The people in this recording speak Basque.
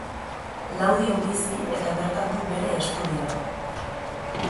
Laudion bizi eta bertan du bere estudioa.